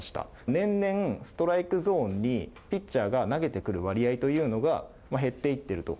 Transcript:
年々ストライクゾーンにピッチャーが投げてくる割合というのが減っていってると。